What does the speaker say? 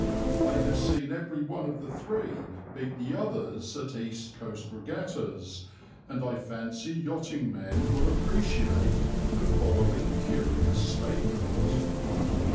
I have seen every one of the three beat the others at East Coast regattas, and I fancy yachting men will appreciate the following curious statement.